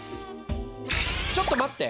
ちょっと待って！